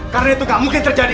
karena itu gak mungkin terjadi